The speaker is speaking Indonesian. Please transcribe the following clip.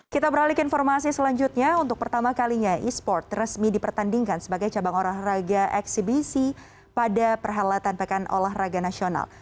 kita beralih ke informasi selanjutnya untuk pertama kalinya e sport resmi dipertandingkan sebagai cabang olahraga eksibisi pada perhelatan pekan olahraga nasional